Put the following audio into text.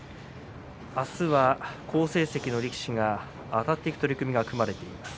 明日は好成績の力士があたっていく取組が組まれています。